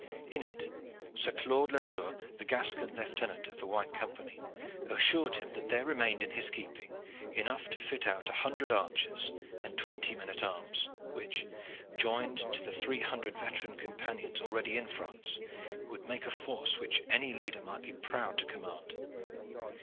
In it Sir Claude Latour, the Gascon lieutenant of the White Company, assured him that there remained in his keeping enough to fit out a hundred archers and twenty men at arms, which, joined to the three hundred veteran companions already in France, would make a force which any leader might be proud to command.